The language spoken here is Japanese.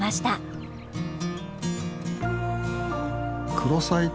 クロサイ